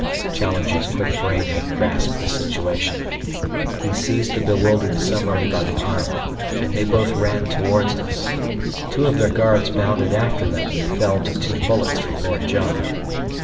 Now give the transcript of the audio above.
Challenger's quick brain had grasped the situation. He seized the bewildered Summerlee by the arm, and they both ran towards us. Two of their guards bounded after them and fell to two bullets from Lord John.